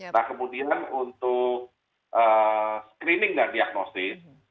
nah kemudian untuk screening dan diagnosis